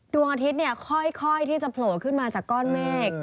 ดวงอาทิตย์ค่อยที่จะโผล่ขึ้นมาจากก้อนเมฆ